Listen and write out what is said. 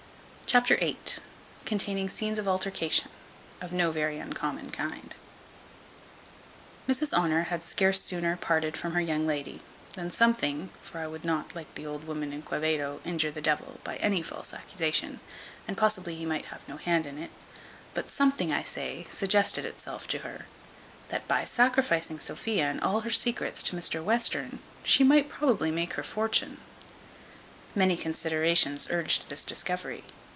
Chapter viii. Containing scenes of altercation, of no very uncommon kind. Mrs Honour had scarce sooner parted from her young lady, than something (for I would not, like the old woman in Quevedo, injure the devil by any false accusation, and possibly he might have no hand in it) but something, I say, suggested itself to her, that by sacrificing Sophia and all her secrets to Mr Western, she might probably make her fortune. Many considerations urged this discovery.